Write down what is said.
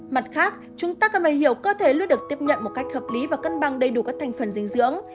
mặt khác chúng ta cần phải hiểu cơ thể luôn được tiếp nhận một cách hợp lý và cân bằng đầy đủ các thành phần dinh dưỡng